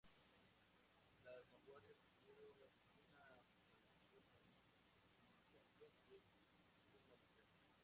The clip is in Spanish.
Las vanguardias tuvieron una relación ambivalente con la mujer.